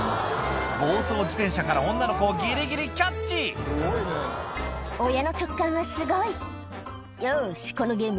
暴走自転車から女の子をギリギリキャッチ親の直感はすごい「よしこのゲーム